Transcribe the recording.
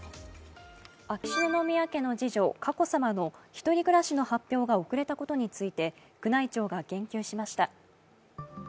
秋篠宮家の次女・佳子さまの１人暮らしの発表が遅れたことについて、宮内庁が言及しました。